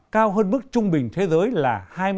cao hơn mức trung bình thế giới là hai mươi hai ba